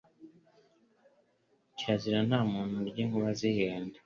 Kirazira nta muntu urya inkuba zihinda